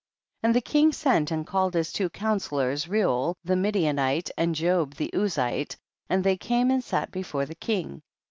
24. And the king sent and called his two counsellors Reuel the Midi anite and Job the Uzite, and they came and sat before the king.